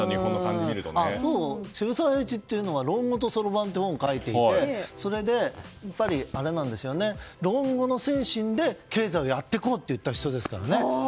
渋沢栄一は「論語と算盤」という本を書いていて論語の精神で経済をやっていこうと言った人ですからね。